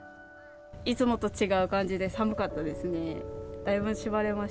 いつもと違う感じで寒かったですね。